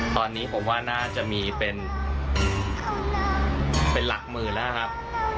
ตอนนี้ผมว่าน่าจะมีเป็นหลักหมื่นแล้วครับ